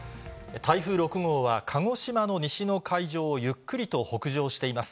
台風６号は鹿児島の西の海上をゆっくりと北上しています。